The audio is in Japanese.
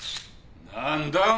何だ？